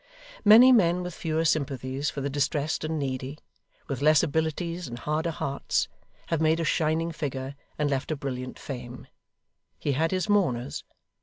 Many men with fewer sympathies for the distressed and needy, with less abilities and harder hearts, have made a shining figure and left a brilliant fame. He had his mourners.